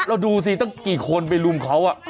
เราดูสิตั้งกี่คนไปลุมเขา